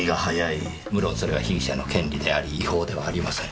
無論それは被疑者の権利であり違法ではありません。